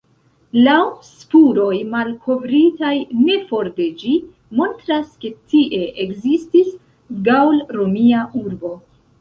Laŭ spuroj malkovritaj ne for de ĝi montras ke tie ekzistis gaŭl-romia urbo.